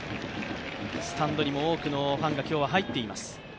スタンドにも多くのファンが今日は入っています。